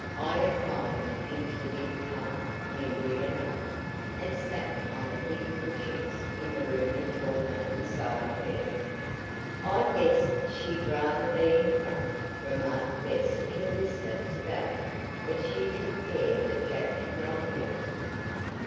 Ida climbed into the big car nimbly enough, and sat on the thick cushions in the roomy tonneau beside Mary. "I guess she'd rather be in front," remarked Bess in a whisper to Belle, but she took care that Jack should not hear.